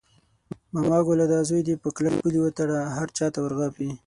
ماما ګله دا زوی دې په کلک پړي وتړله، هر چاته ور غاپي.